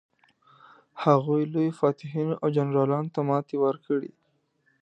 هغوی لویو فاتحینو او جنرالانو ته ماتې ورکړې.